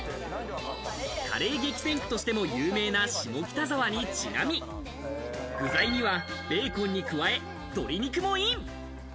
カレー激戦区としても有名な下北沢にちなみ具材にはベーコンに加え、鶏肉もイン！